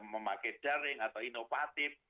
memakai daring atau inovatif